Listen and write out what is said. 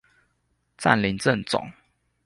佔領政總